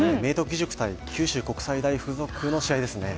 義塾対九州国際大付属の試合ですね。